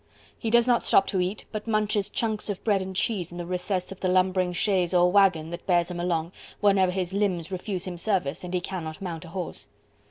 He does not stop to eat, but munches chunks of bread and cheese in the recess of the lumbering chaise or waggon that bears him along whenever his limbs refuse him service and he cannot mount a horse.